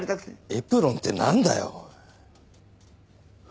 エプロンってなんだよおい。